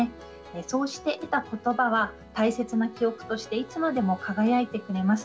そうして得た言葉は大切な記憶としていつまでも輝いてくれます。